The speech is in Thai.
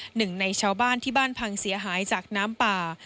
หนึ่งในชาวบ้านที่บ้านพังเสียหายจากน้ำป่า